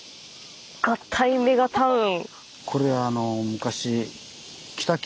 合体メガタウン。